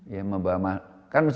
ya membawa manfaat